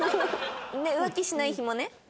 浮気しないヒモね。